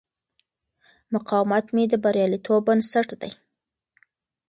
مقاومت مې د بریالیتوب بنسټ دی.